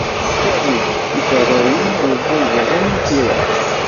Ad nečč tiferrawin yeẓẓiẓiden tiram.